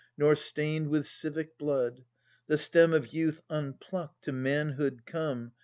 Nor stained with civic blood ; The stem of youth, unpluckt, to manhood come.